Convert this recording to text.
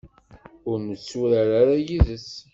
Ur netturar ara yid-s.